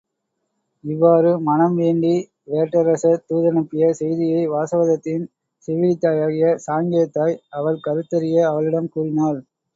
இவ்வாறு மணம் வேண்டி வேற்றரசர் தூதனுப்பிய செய்தியை வாசவதத்தையின் செவிலித்தாயாகிய சாங்கியத் தாய், அவள் கருத்தறிய அவளிடம் கூறினாள்.